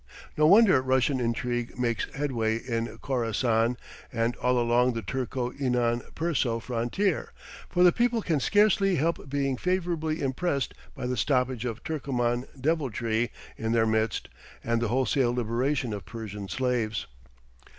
No wonder Russian intrigue makes headway in Khorassan and all along the Turco inan Perso frontier, for the people can scarcely help being favorably impressed by the stoppage of Turcoman deviltry in their midst, and the wholesale liberation of Persian slaves.